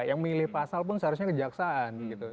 yang memilih pasal pun seharusnya kejaksaan